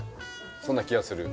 そんな気がする。